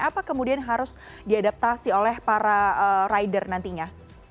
apa kemudian harus diadaptasi oleh para rider nantinya